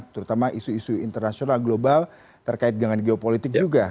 terutama isu isu internasional global terkait dengan geopolitik juga